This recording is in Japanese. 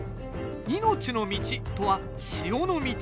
「命の道」とは「塩の道」。